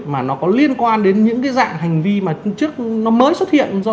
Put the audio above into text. mà nó có liên quan đến những cái dạng hành vi mà trước nó mới xuất hiện